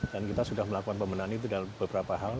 dan kita sudah melakukan pemenahan itu dalam beberapa hal